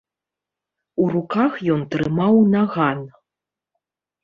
У руках ён трымаў наган.